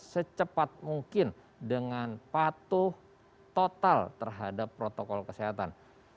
secepat mungkin dengan patuh total terhadap protokol kesehatan